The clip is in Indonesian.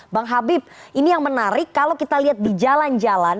bang habib ini yang menarik kalau kita lihat di jalan jalan